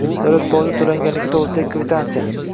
davlat boji to‘langanligi to‘g‘risidagi kvitansiya.